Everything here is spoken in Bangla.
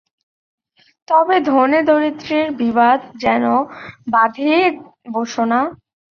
তবে ধনী-দরিদ্রের বিবাদ যেন বাধিয়ে বসো না।